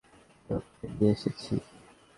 আমি ওকে নিয়ে এসেছি।